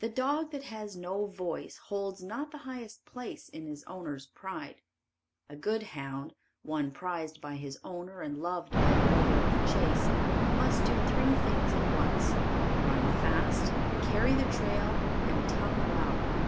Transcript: The dog that has no voice holds not the highest place in his owner's pride. A good hound, one prized by his owner and loved by the lover of the chase must do three things at once, run fast, carry the trail and tongue well.